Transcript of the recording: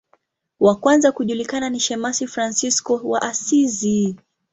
Wa kwanza kujulikana ni shemasi Fransisko wa Asizi.